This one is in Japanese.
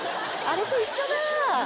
あれと一緒だ。